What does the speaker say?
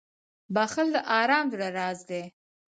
• بښل د ارام زړه راز دی.